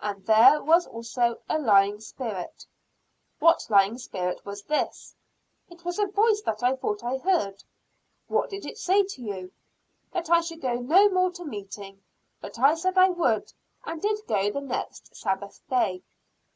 And there was also a lying spirit. "What lying spirit was this?" "It was a voice that I thought I heard." "What did it say to you?" "That I should go no more to meeting; but I said I would, and did go the next Sabbath day."